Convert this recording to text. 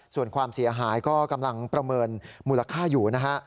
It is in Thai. ส่วนความเสียหายก็กำลังประเมินมูลค่าอยู่นะฮะ